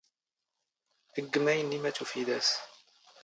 ⴳⴳ ⵎⴰⵢⵏⵏⵉ ⵎⴰ ⵜⵓⴼⵉⴷ ⴰⵙ.